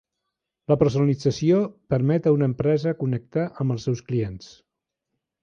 La personalització permet a una empresa connectar amb els seus clients.